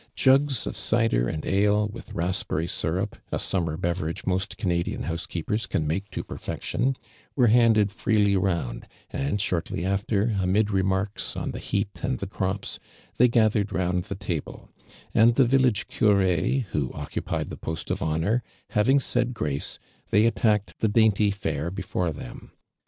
•fugs of cider and ale. with raspberry syriij), a summer beverage most Canadian housekeepers can make tojjerfection, were handed freely round, and shortly after, amid remarks on the heat ami the ciops, they gathered round the table ; and the village <•«/•««, who occupied the post of honor, having said grace, thoy attacked the dainty fare before them.